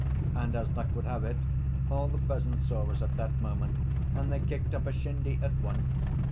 And, as luck would have it, all the peasants saw us at that moment and they kicked up a shindy at once.